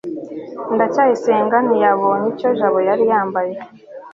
ndacyayisenga ntiyabonye icyo jabo yari yambaye